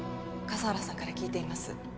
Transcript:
笠原さんから聞いています